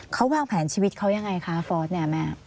เขาวางแผนชีวิตเขายังไงคะฟอร์สเนี่ยแม่